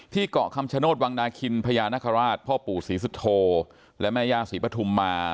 เกาะคำชโนธวังนาคินพญานคราชพ่อปู่ศรีสุโธและแม่ย่าศรีปฐุมมา